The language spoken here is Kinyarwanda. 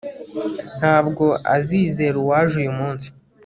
Ntabwo uzizera uwaje uyu munsi